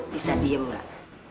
bisa diem nggak